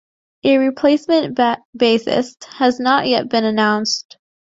A replacement bassist has not yet been announced.